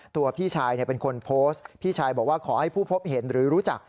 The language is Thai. พี่ชายเป็นคนโพสต์พี่ชายบอกว่าขอให้ผู้พบเห็นหรือรู้จัก